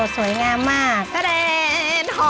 สวยงามมาก